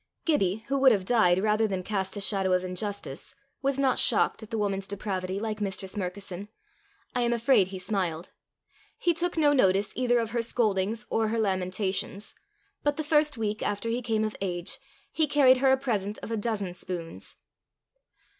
Gibbie, who would have died rather than cast a shadow of injustice, was not shocked at the woman's depravity like Mistress Murkison. I am afraid he smiled. He took no notice either of her scoldings or her lamentations; but the first week after he came of age, he carried her a present of a dozen spoons.